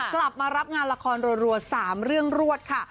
กลับมารับงานละครรัว๓เรื่องรวดค่ะ